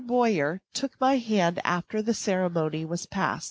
Boyer took my hand after the ceremony was past.